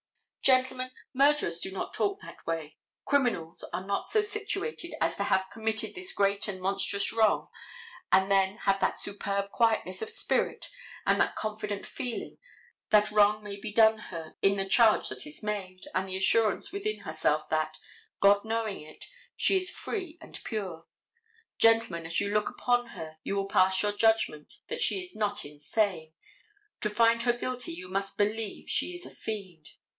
Gentlemen, murderers do not talk that way. Criminals are not so situated as to have committed this great and monstrous wrong and then have had that superb quietness of spirit and that confident feeling that wrong had been done her in the charge that is made, and the assurance within herself that, God knowing it, she is free and pure. Gentlemen, as you look upon her you will pass your judgment that she is not insane. To find her guilty you must believe she is a fiend.